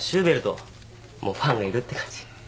もうファンがいるって感じ。